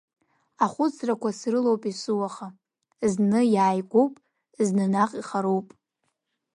Ахәыцрақәа срылоуп есуаха, зны иааигәоуп, зны наҟ ихароуп.